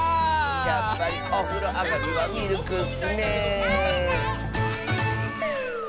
やっぱりおふろあがりはミルクッスねえ。